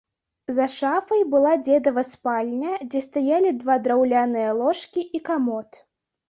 За шафай была дзедава спальня, дзе стаялі два драўляныя ложкі і камод.